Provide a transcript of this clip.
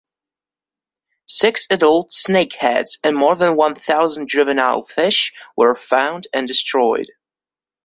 Six adult snakeheads and more than one thousand juvenile fish were found and destroyed.